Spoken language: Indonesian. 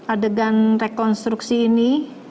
adegan rekonstruksi ini